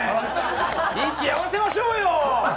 息合わせましょうよ。